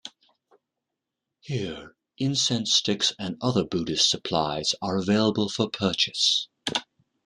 Here, incense sticks and other Buddhist supplies are available for purchase.